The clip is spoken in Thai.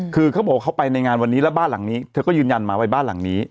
คือเขาบอกว่าเขาไปในงานวันนี้แล้วบ้านหลังนี้เธอก็ยืนยันมาว่าบ้านหลังนี้